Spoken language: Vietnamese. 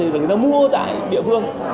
và người ta mua tại địa phương